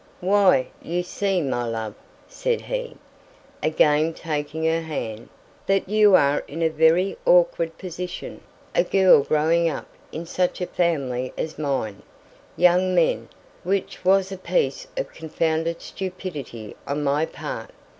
"Why, you see, my love," said he, again taking her hand, "that you are in a very awkward position a girl growing up in such a family as mine young men which was a piece of confounded stupidity on my part.